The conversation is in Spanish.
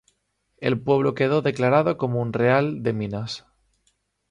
El pueblo quedó declarado como un "real de minas".